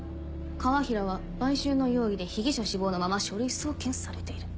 川平は売春の容疑で被疑者死亡のまま書類送検されている。